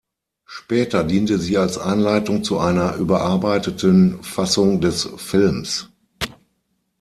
Später diente sie als Einleitung zu einer überarbeiteten Fassung des Films.